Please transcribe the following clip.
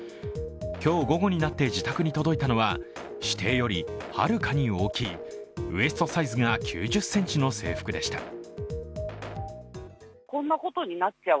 今日午後になって自宅に届いたのは指定よりはるかに大きいウエストサイズが９０ｃｍの制服でした。